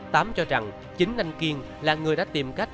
tám cho rằng chính anh kiên là người đã tìm cách